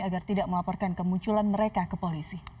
agar tidak melaporkan kemunculan mereka ke polisi